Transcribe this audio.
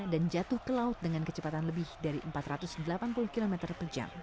dan jatuh ke laut dengan kecepatan lebih dari empat ratus delapan puluh km per jam